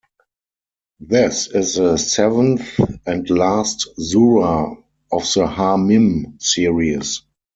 This is the seventh and last Surah of the Ha Mim series.